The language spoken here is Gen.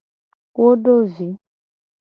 Wo do vi.